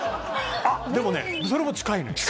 あっでもねそれも近いのよ。